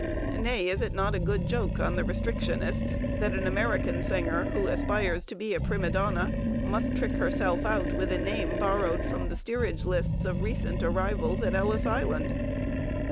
Nay, is it not a good joke on the restrictionists that an American singer who aspires to be a prima donna must trick herself out with a name borrowed from the steerage lists of recent arrivals at Ellis Island?